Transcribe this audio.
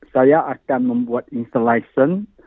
saya akan membuat installation